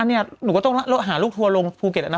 นี่หนูก็ต้องหาลูกทัวร์ลงภูเก็ตแล้วนะ